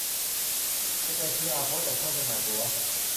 สแกนคิวอาร์โค้ดจากช่องจำหน่ายตั๋ว